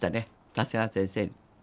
長谷川先生に。